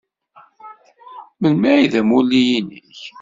Melmi ay d amulli-nnek?